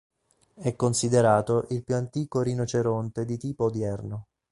È considerato il più antico rinoceronte di tipo odierno.